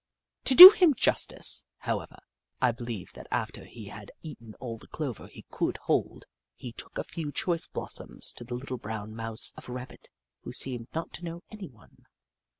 To do him justice, however, I believe that after he had eaten all the clover he could hold, he took a few choice blossoms to a little brown mouse of a Rabbit who seemed not to know anyone.